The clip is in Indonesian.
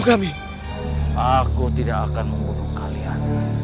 kalau tidak aku akan membunuh kalian